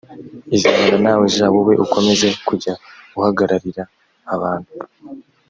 izabana nawe j wowe ukomeze kujya uhagararira abantu